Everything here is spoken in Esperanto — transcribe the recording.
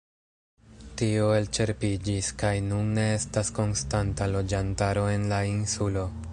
Tio elĉerpiĝis kaj nun ne estas konstanta loĝantaro en la insulo.